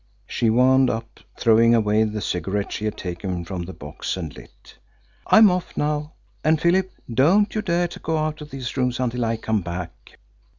she wound up, throwing away the cigarette she had taken from the box and lit. "I'm off now. And, Philip, don't you dare to go out of these rooms until I come back!"